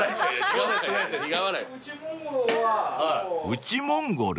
内モンゴルは。